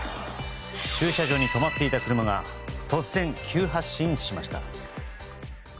駐車場に止まっていた車が突然急発進しました。